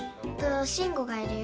しんごがいるよ。